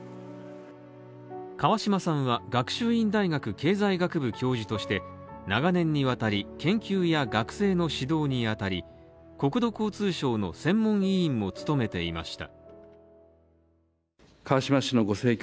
川嶋さんは、学習院大学経済学部教授として長年にわたり研究や学生の指導にあたり、国土交通省の専門委員も務めていました。